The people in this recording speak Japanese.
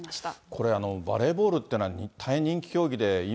これ、バレーボールってのは大変人気競技で、今、